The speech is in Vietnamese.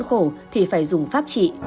để đưa khuôn khổ thì phải dùng pháp trị